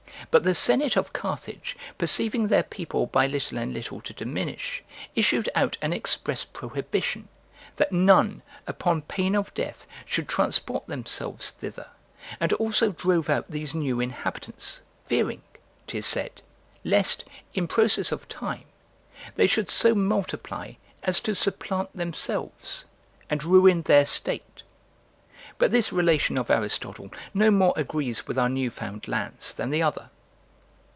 But the senate of Carthage perceiving their people by little and little to diminish, issued out an express prohibition, that none, upon pain of death, should transport themselves thither; and also drove out these new inhabitants; fearing, 'tis said, lest' in process of time they should so multiply as to supplant themselves and ruin their state. But this relation of Aristotle no more agrees with our new found lands than the other.